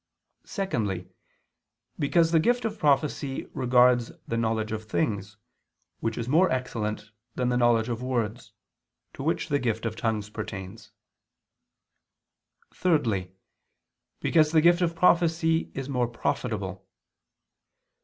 Secondly, because the gift of prophecy regards the knowledge of things, which is more excellent than the knowledge of words, to which the gift of tongues pertains. Thirdly, because the gift of prophecy is more profitable.